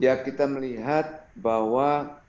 ya kita melihat bahwa